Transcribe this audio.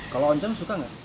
kalau oncom suka enggak